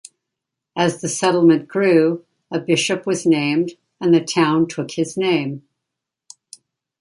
As the settlement grew, a bishop was named and the town took his name.